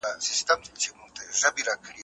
ښکاري ګوري موږکان ټوله تاوېږي